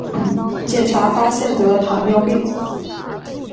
检查发现得了糖尿病